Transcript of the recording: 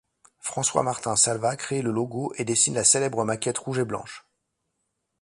François-Martin Salvat crée le logo et dessine la célèbre maquette rouge et blanche.